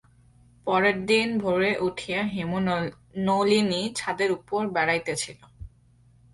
পরের দিন ভোরে উঠিয়া হেমনলিনী ছাদের উপর বেড়াইতেছিল।